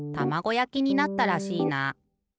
やきになったらしいな。